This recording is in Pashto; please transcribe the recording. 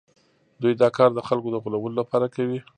دوی دا کار د خلکو د غولولو لپاره کوي